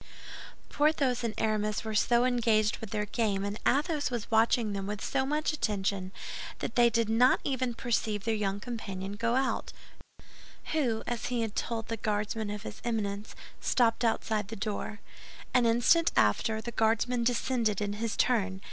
Porthos and Aramis were so engaged with their game, and Athos was watching them with so much attention, that they did not even perceive their young companion go out, who, as he had told the Guardsman of his Eminence, stopped outside the door. An instant after, the Guardsman descended in his turn.